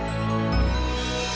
kau mau ngapain